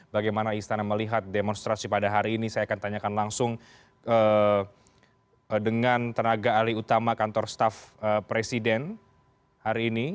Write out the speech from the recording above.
bagaimana istana melihat demonstrasi pada hari ini saya akan tanyakan langsung dengan tenaga alih utama kantor staff presiden hari ini